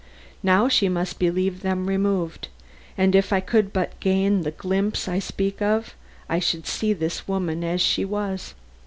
Now she must believe them removed, and if I could but gain the glimpse I speak of I should see this woman as she was.